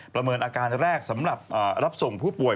เมินอาการแรกสำหรับรับส่งผู้ป่วย